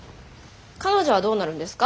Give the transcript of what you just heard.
彼女はどうなるんですか？